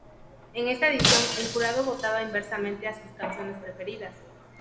En esta edición, el jurado votaba inversamente a sus canciones preferidas.